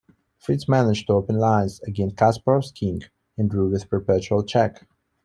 Fritz managed to open lines against Kasparov's king, and drew with perpetual check.